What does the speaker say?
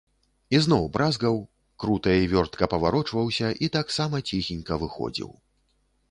Ізноў бразгаў, крута і вёртка паварочваўся і таксама ціхенька выходзіў.